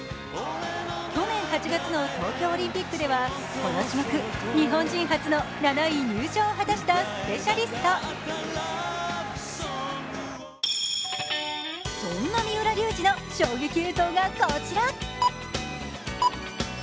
去年８月の東京オリンピックではこの種目、日本人初の７位入賞を果たしたスペシャリストそんな三浦龍司の衝撃映像がこちら。